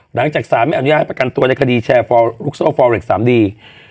หลังจากสารไม่อนุญาตให้ประกันตัวในคดีแชร์ฟอลลูกโซ่ฟอเล็กซ์๓ดี